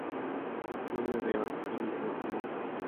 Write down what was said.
No me veo a mí mismo como un bajista.